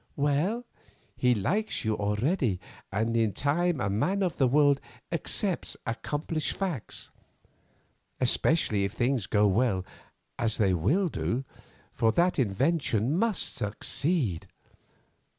Well, he likes you already, and in time a man of the world accepts accomplished facts, especially if things go well, as they will do, for that invention must succeed.